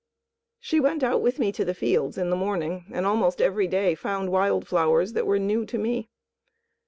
She went out with me to the fields in the morning and almost every day found wild flowers that were new to me.